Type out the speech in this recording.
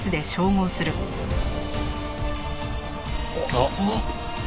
あっ。